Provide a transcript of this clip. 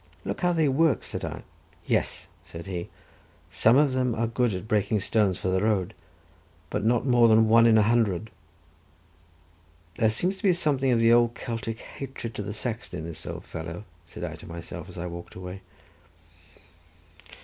"Look how they work," said I. "Yes," said he, "some of them are good at breaking stones for the road, but not more than one in a hundred." "There seems to be something of the old Celtic hatred to the Saxon in this old fellow," said I to myself, as I walked away.